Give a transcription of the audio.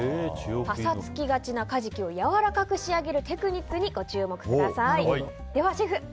ぱさつきがちなカジキをやわらかく仕上げるテクニックにご注目ください。